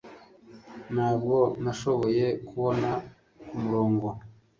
Ntabwo nashoboye kubona kumurongo